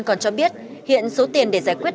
còn cho biết hiện số tiền để giải quyết